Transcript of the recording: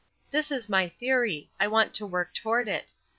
"This is my theory; I want to work toward it.